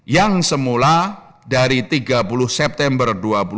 yang semula dari tiga puluh september dua ribu dua puluh